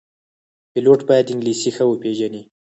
پیلوټ باید انګلیسي ښه وپېژني.